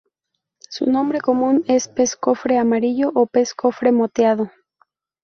Su nombre común es pez cofre amarillo o pez cofre moteado.